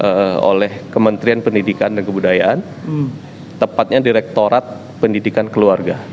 di oleh kementerian pendidikan dan kebudayaan tepatnya direktorat pendidikan keluarga